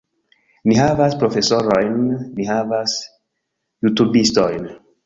Ni havas profesorojn, ni havas jutubistojn